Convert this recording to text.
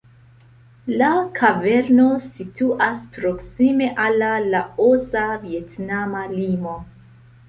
La kaverno situas proksime al la Laosa-Vjetnama limo.